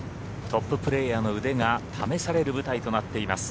トッププレーヤーの腕が試される舞台となっています